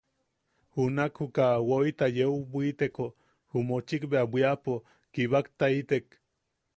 Junak juka woʼita yeu bwiteko ju mochik bea bwiapo kibaktaitek.